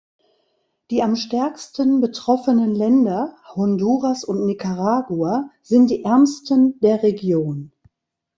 Die am stärksten betroffenen Länder, Honduras und Nicaragua, sind die ärmsten der Region.